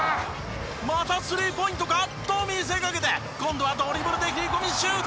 またスリーポイントか？と見せかけて今度はドリブルで切り込みシュート！